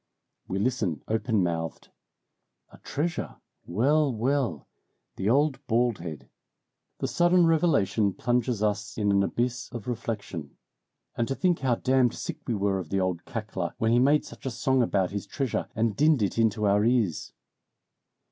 We listen open mouthed. "A treasure well! well! The old bald head!" The sudden revelation plunges us in an abyss of reflection. "And to think how damned sick we were of the old cackler when he made such a song about his treasure and dinned it into our ears!"